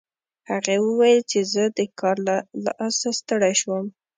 هغې وویل چې زه د کار له لاسه ستړې شوم